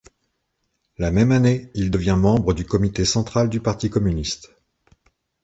La même année, il devient membre du comité central du Parti communiste.